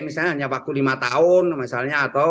misalnya hanya waktu lima tahun misalnya atau